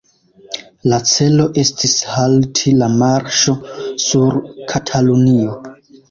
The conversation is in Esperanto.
La celo estis halti la marŝo sur Katalunio.